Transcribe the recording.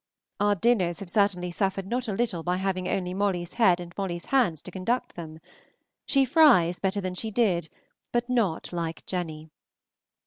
Our dinners have certainly suffered not a little by having only Molly's head and Molly's hands to conduct them; she fries better than she did, but not like Jenny.